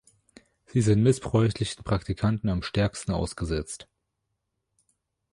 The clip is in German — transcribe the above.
Sie sind missbräuchlichen Praktiken am stärksten ausgesetzt.